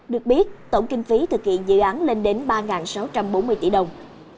được biết tổng kinh phí thực hiện dự án lên đến ba sáu trăm bốn mươi tỷ đồng